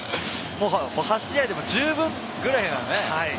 ８試合で十分ぐらいなね。